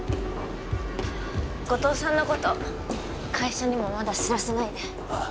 後藤さんのこと会社にもまだ知らせないでああ